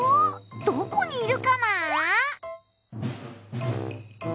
どこにいるかな？